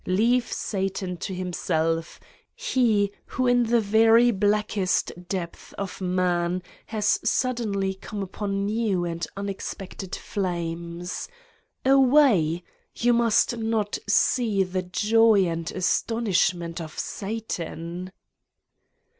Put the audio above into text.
Leave Satan to himself, he who in the very blackest depths of man has suddenly come upon new and unexpected flames. Away! You must not see the joy and astonishment of Satan!